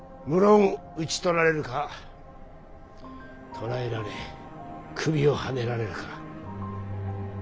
無論討ち取られるか捕らえられ首をはねられるか。